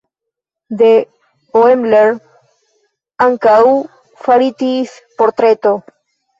De Oemler ankaŭ faritis portreto.